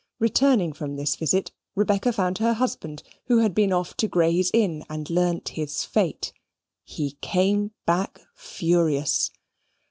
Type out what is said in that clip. Returning from this visit, Rebecca found her husband, who had been off to Gray's Inn, and learnt his fate. He came back furious.